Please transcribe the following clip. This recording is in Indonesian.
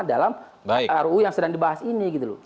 dalam ruu yang sedang dibahas ini gitu loh